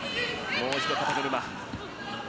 もう一度肩車。